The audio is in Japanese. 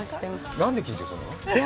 なんで緊張するの？